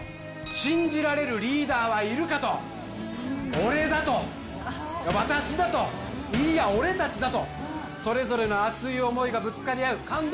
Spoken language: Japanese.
「信じられるリーダーはいるか」と「俺だ！！！」と「私だ！！！」と「いいや俺達だ！！」とそれぞれの熱い思いがぶつかり合う感動